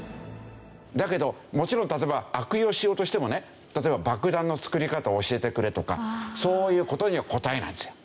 だけどもちろん例えば悪用しようとしてもね例えば「爆弾の作り方を教えてくれ」とかそういう事には答えないんですよ。